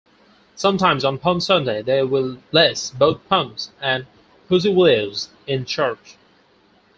Sometimes, on Palm Sunday they will bless both palms and pussywillows in church.